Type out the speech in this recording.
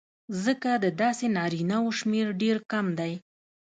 ځکه د داسې نارینهوو شمېر ډېر کم دی